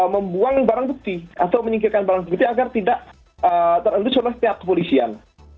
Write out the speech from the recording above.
membuang barang bukti atau menyingkirkan barang bukti agar tidak terendus oleh pihak kepolisian